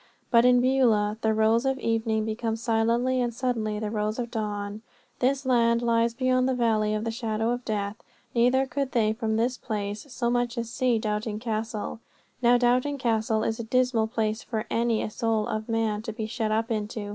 But in Beulah "the rose of evening becomes silently and suddenly the rose of dawn." This land lies beyond the Valley of the Shadow of Death, neither could they from this place so much as see Doubting Castle. Now, Doubting Castle is a dismal place for any soul of man to be shut up into.